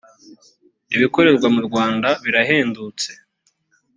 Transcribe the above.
ibikorerwa mu rwanda birahendutse